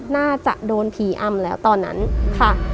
น่าจะโดนผีอำแล้วตอนนั้นค่ะ